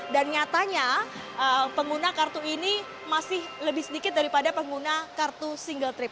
dan nyatanya pengguna kartu ini masih lebih sedikit daripada pengguna kartu single trip